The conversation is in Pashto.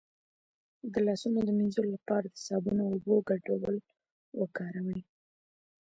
د لاسونو د مینځلو لپاره د صابون او اوبو ګډول وکاروئ